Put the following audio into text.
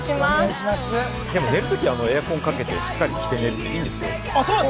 寝るときはエアコンかけて、しっかり着て寝るでいいんですよ？